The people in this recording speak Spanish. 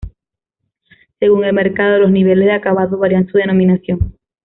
Según el mercado, los niveles de acabado varían su denominación.